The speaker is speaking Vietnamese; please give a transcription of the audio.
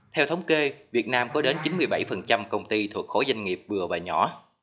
theo thống kê việt nam có đến chín mươi bảy công ty thuộc khối doanh nghiệp vừa và nhỏ